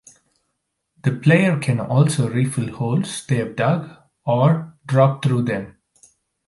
The player can also refill holes they've dug, or drop through them.